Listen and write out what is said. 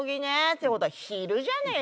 ていうことは昼じゃねえか。